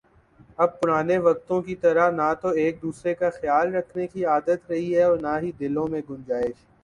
اب پرانے وقتوں کی طرح نہ تو ایک دوسرے کا خیال رکھنے کی عادت رہی ہے اور نہ ہی دلوں میں گنجائش